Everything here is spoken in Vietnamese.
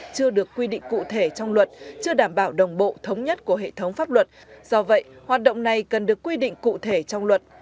chưa được quy định cụ thể trong luật chưa đảm bảo đồng bộ thống nhất của hệ thống pháp luật do vậy hoạt động này cần được quy định cụ thể trong luật